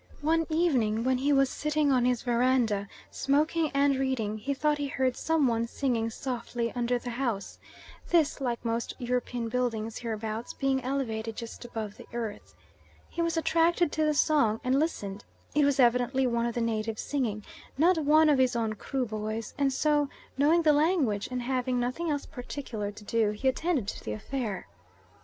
One evening when he was sitting on his verandah, smoking and reading, he thought he heard some one singing softly under the house, this, like most European buildings hereabouts, being elevated just above the earth. He was attracted to the song and listened: it was evidently one of the natives singing, not one of his own Kruboys, and so, knowing the language, and having nothing else particular to do, he attended to the affair.